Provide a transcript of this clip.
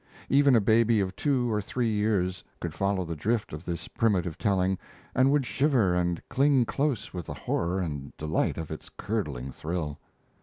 Even a baby of two or three years could follow the drift of this primitive telling and would shiver and cling close with the horror and delight of its curdling thrill.